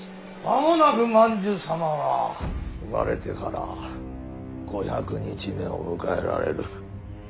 間もなく万寿様は生まれてから五百日目を迎えられる。